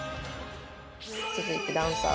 続いてダンサー